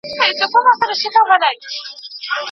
ما کله هم رحیم اغا ته خبره نه ده ورګرځولې.